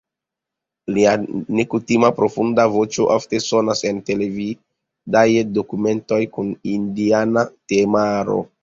Lia nekutime profunda voĉo ofte sonas en televidaj dokumentoj kun indiana temaro.